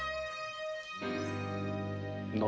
何？